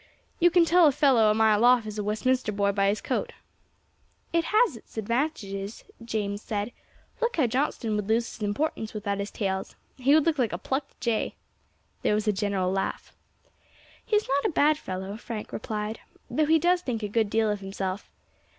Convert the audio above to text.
You can tell a fellow a mile off as a Westminster boy by his coat." "It has its advantages," James said. "Look how Johnstone would lose his importance without his tails, he would look like a plucked jay." There was a general laugh. "He is not a bad fellow," Frank replied, "though he does think a good deal of himself.